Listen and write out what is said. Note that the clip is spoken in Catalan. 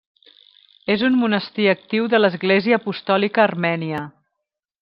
És un monestir actiu de l'Església Apostòlica Armènia.